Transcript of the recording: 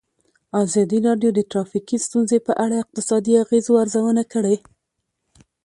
ازادي راډیو د ټرافیکي ستونزې په اړه د اقتصادي اغېزو ارزونه کړې.